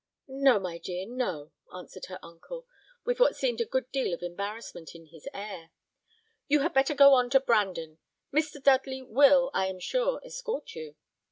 "No, my dear, no," answered her uncle, with what seemed a good deal of embarrassment in his air; "you had better go on to Brandon. Mr. Dudley will, I am sure, escort you."